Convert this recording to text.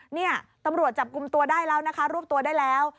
เนี่ยตำรวจจับกลุ่มตัวได้แล้วนะคะรวบตัวได้แล้ว